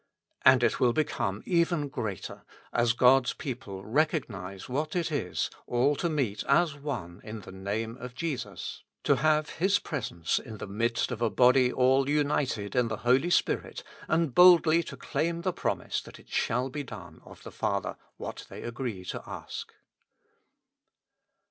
And it will become even greater, as God's people recognize what it is, all to meet as one in the Name of Jesus, to have His Presence in the midst of a body all united in the Holy Spirit, and boldly to claim the promise that it shall be done of the Father what they agree to ask.